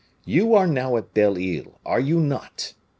You are now at Belle Isle, are you not?"